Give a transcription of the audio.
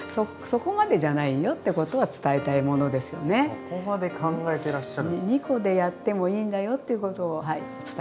そこまで考えてらっしゃるんですね。